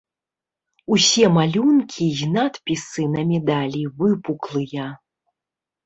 Усе малюнкі і надпісы на медалі выпуклыя.